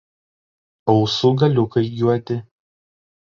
Ausų galiukai juodi.